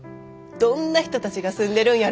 どんな人たちが住んでるんやろうって。